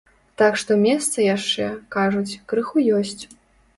Так што месца яшчэ, кажуць, крыху ёсць.